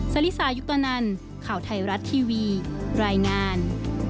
ศรีษายุคตะนั้นข่าวไทยรัตน์ทีวีรายงาน